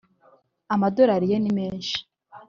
Amadolari ye nimeshi.